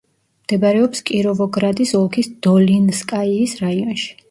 მდებარეობს კიროვოგრადის ოლქის დოლინსკაიის რაიონში.